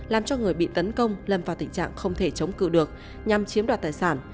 làm cho người bị tấn công lâm vào tình trạng không thể chống cự được nhằm chiếm đoạt tài sản